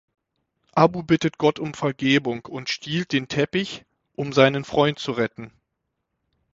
Abu bittet Gott um Vergebung und stiehlt den Teppich, um seinen Freund zu retten.